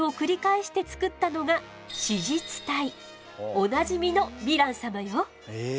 おなじみのヴィラン様よ。